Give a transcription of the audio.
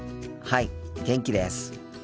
はい元気です。